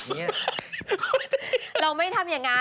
เราไม่ทำอย่างนั้น